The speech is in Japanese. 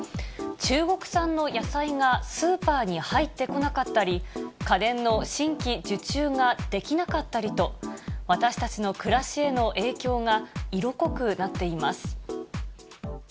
中国産の野菜がスーパーに入ってこなかったり、家電の新規受注ができなかったりと、私たちの暮らしへの影響が色濃くなっています。